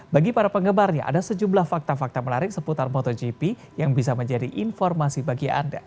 bagi para penggemarnya ada sejumlah fakta fakta menarik seputar motogp yang bisa menjadi informasi bagi anda